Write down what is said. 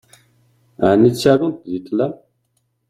Ɛni ttarunt deg ṭṭlam?